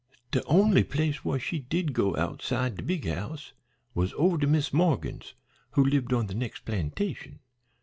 "De only place whar she did go outside de big house was over to Mis' Morgan's, who lived on de nex' plantation.